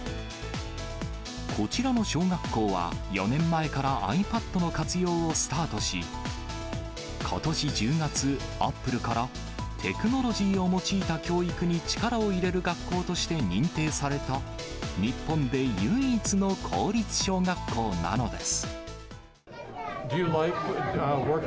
こちらの小学校は、４年前からｉＰａｄの活用をスタートし、ことし１０月、アップルからテクノロジーを用いた教育に力を入れる学校として認定された、日本で唯一の公立小学校なのです。